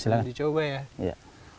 silahkan dicoba ya